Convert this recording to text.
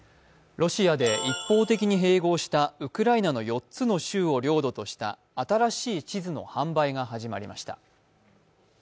ロシアで一方的に併合したウクライナの４つの州を領土とした新しい地図の販売が始まりました。